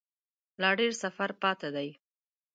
لا ډیر سفر پاته دی